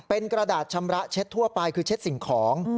เป็นกระดาษชำระเช็ดทั่วไปคือเช็ดสิ่งของ